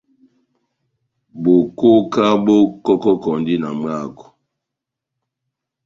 Bokoka bó kɔkɔkɔndi na mwáko.